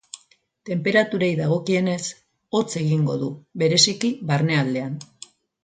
Tenperaturei dagokienez, hotz egingo du, bereziki barnealdean.